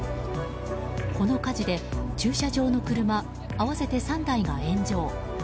この火事で駐車場の車合わせて３台が炎上。